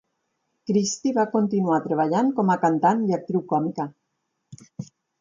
Christie va continuar treballant com a cantant i actriu còmica.